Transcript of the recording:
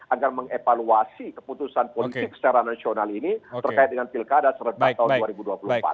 agar mengevaluasi keputusan politik secara nasional ini terkait dengan pilkada serentak tahun dua ribu dua puluh empat